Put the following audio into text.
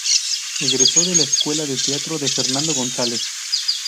Egresó de la Escuela de Teatro de Fernando González.